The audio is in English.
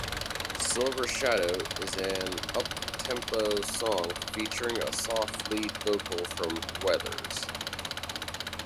"Silver Shadow" is an uptempo song featuring a soft lead vocal from Weathers.